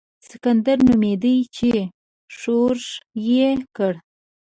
سکندر نومېدی چې ښورښ یې کړ.